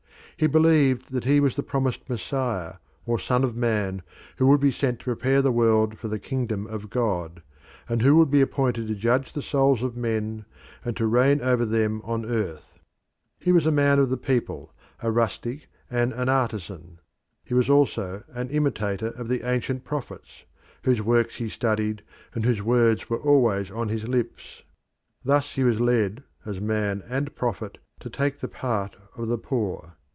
He believed that he was the promised Messiah or Son of Man, who would be sent to prepare the world for the kingdom of God, and who would be appointed to judge the souls of men and to reign over them on earth. He was a man of the people, a rustic and an artisan: he was also an imitator of the ancient prophets, whose works he studied and whose words were always on his lips. Thus he was led as man and prophet to take the part of the poor.